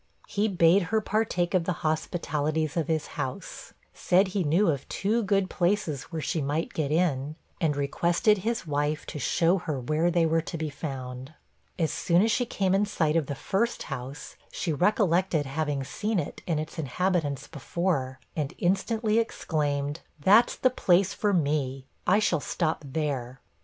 He bade her partake of the hospitalities of his house, said he knew of two good places where she might get in, and requested his wife to show her where they were to be found. As soon as she came in sight of the first house, she recollected having seen it and its inhabitants before, and instantly exclaimed, 'That's the place for me; I shall stop there.'